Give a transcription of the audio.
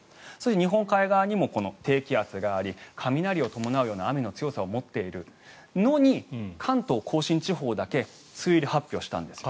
日本海側にも低気圧があり雷を伴うような雨の強さを持っているのに関東・甲信地方だけ梅雨入り発表したんです。